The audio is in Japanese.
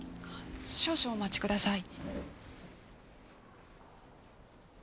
少々お待ちください。